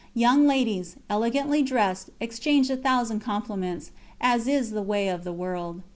Young ladies, elegantly dressed, exchanged a thousand compliments, as is the way of the world.